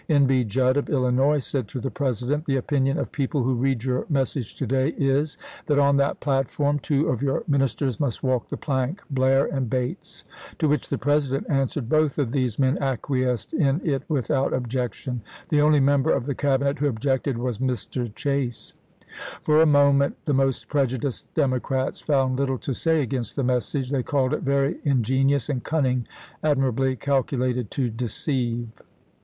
N. B. Judd of Illinois said to the President :" The opinion of people who read your message to day is, that on that platform two of your ministers must walk the plank — Blair and Bates." To which the President answered :" Both of these men acquiesced in it without objection; the only member of the cabi net who objected was Mr. Chase." For a moment the most prejudiced Democrats found little to say against the message ; they called it " very ingenious and cunning, admirably calculated to deceive."